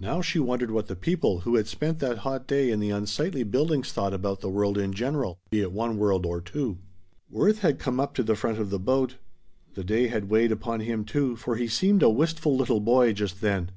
Now she wondered what the people who had spent that hot day in the unsightly buildings thought about the world in general be it one world or two. Worth had come up to the front of the boat. The day had weighed upon him too, for he seemed a wistful little boy just then.